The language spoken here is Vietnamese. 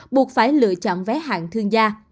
buộc phải lựa chọn vé hạng thương gia